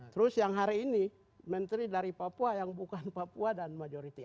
terus yang hari ini menteri dari papua yang bukan papua dan majority